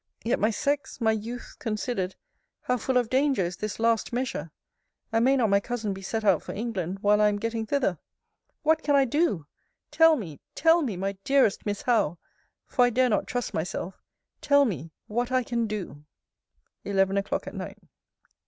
Yet, my sex, my youth, considered, how full of danger is this last measure! And may not my cousin be set out for England, while I am getting thither? What can I do? Tell me, tell me, my dearest Miss Howe, [for I dare not trust myself,] tell me, what I can do. ELEVEN O'CLOCK AT NIGHT.